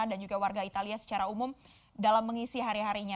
dan juga warga italia secara umum dalam mengisi hari harinya